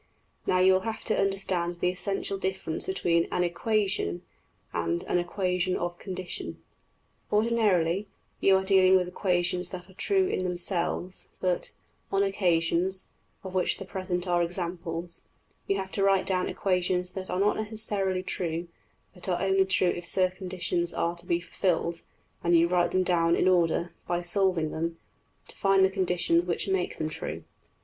Now you will have to understand the essential difference between ``an equation,'' and ``an equation of condition.'' Ordinarily you are dealing with equations that are true in themselves, but, on occasions, of which the present are examples, you have to write down equations that are not necessarily true, but are only true if certain conditions are to be fulfilled; and you write them down in order, by solving them, to find the conditions which make them true.